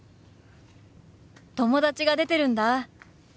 友達が出てるんだ。